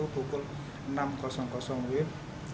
pukul enam wib